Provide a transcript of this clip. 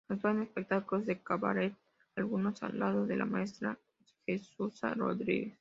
Actúa en espectáculos de cabaret, algunos al lado de la maestra Jesusa Rodríguez.